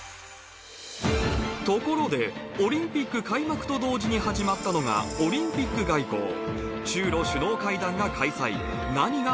ところで、オリンピック開幕と同時に始まったのがオリンピック外交。